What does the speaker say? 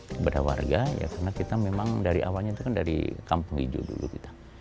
kepada warga ya karena kita memang dari awalnya itu kan dari kampung hijau dulu kita